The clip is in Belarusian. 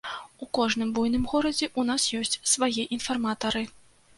У кожным буйным горадзе ў нас ёсць свае інфарматары.